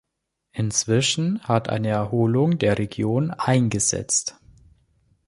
Inzwischen hat eine Erholung der Region eingesetzt.